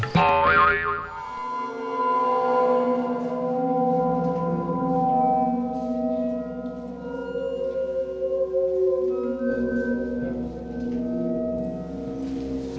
adam antarin aku pulang dong